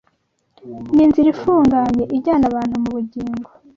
n’inzira ifunganye ijyana abantu mu bugingo